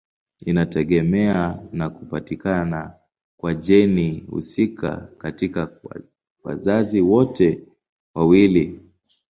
Inategemea na kupatikana kwa jeni husika katika wazazi wote wawili.